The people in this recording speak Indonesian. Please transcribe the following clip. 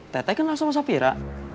teteh kenal sama safira